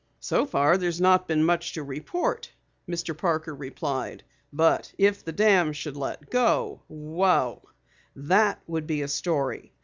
"So far there's not been much to report," Mr. Parker replied. "But if the dam should let go wow! Would that be a story!